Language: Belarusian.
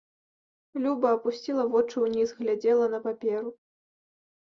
Люба апусціла вочы ўніз, глядзела на паперу.